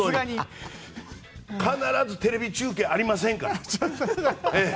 必ずテレビ中継ありませんから。